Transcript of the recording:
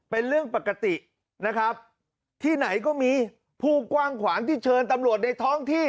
เป็นเรื่องปกตินะครับที่ไหนก็มีผู้กว้างขวางที่เชิญตำรวจในท้องที่